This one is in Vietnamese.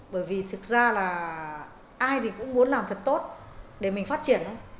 bởi vì thực ra là ai thì cũng muốn làm thật tốt để mình phát triển